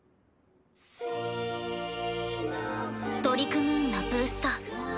トリクムーンのブースト。